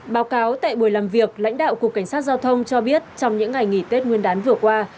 báo cáo tại buổi làm việc lãnh đạo cục cảnh sát giao thông cho biết trong những ngày nghỉ tết nguyên đán vừa qua